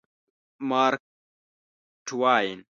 مارک ټواین